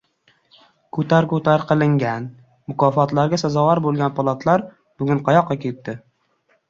ko‘tar-ko‘tar qilingan, mukofotlarga sazovor bo‘lgan “polotno”lar bugun qayoqqa ketdi?